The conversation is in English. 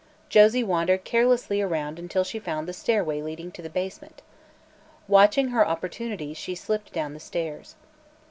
Josie wandered carelessly around until she found the stairway leading to the basement. Watching her opportunity she slipped down the stairs.